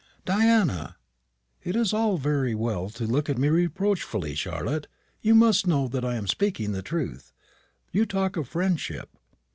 "Diana!" "It is all very well to look at me reproachfully, Charlotte. You must know that I am speaking the truth. You talk of friendship.